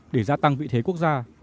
để gia tăng vị thế quốc gia